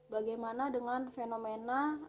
bagaimana dengan fenomena